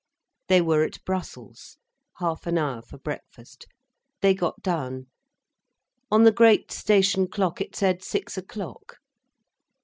They were at Brussels—half an hour for breakfast. They got down. On the great station clock it said six o'clock.